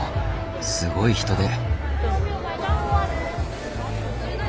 すごい人出！